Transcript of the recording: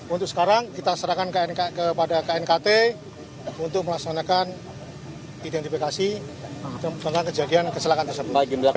untuk sekarang kita serahkan kepada knkt untuk melaksanakan identifikasi tentang kejadian kecelakaan tersebut